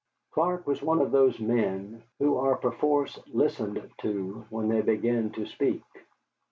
Clark was one of those men who are perforce listened to when they begin to speak.